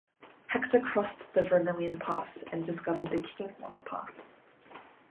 Hector crossed the Vermilion Pass and discovered the Kicking Horse Pass.